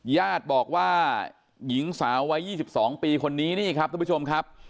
ญาติบอกว่าหญิงสาววัย๒๒ปีคนนี้นี่ครับทุกผู้ชมครับ